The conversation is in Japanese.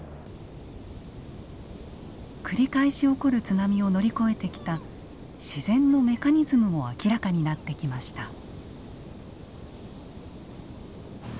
繰り返し起こる津波を乗り越えてきた自然のメカニズムも明らかになってきました。